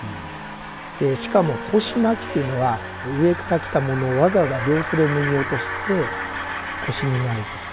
しかも腰巻というのは上から着たものをわざわざ両袖脱ぎ落として腰に巻いてると。